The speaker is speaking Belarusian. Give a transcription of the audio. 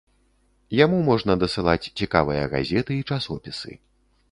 Яму можна дасылаць цікавыя газеты і часопісы.